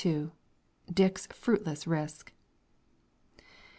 DICK'S FRUITLESS RISK.